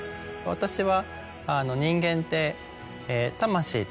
私は。